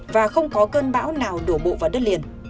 và không có cơn bão nào đổ bộ vào đất liền